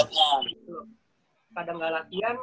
kadang kadang gak latihan